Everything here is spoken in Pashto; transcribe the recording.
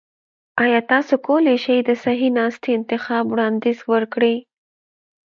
ایا تاسو کولی شئ د صحي ناستي انتخاب وړاندیز وکړئ؟